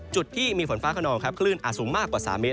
จุดที่มีฝนฟ้าขนองครับคลื่นอาจสูงมากกว่า๓เมตร